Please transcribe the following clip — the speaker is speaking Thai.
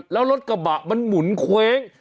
แล้วรถกระบะมันหมุนเคว้ง